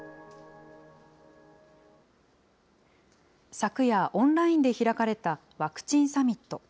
昨夜、オンラインで開かれたワクチンサミット。